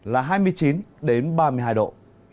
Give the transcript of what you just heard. là hai mươi chín ba mươi hai độ